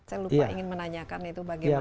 saya lupa ingin menanyakan itu bagaimana